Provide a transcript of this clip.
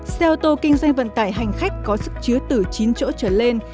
xe ô tô kinh doanh vận tải hành khách có sức chứa từ chín chỗ trở lên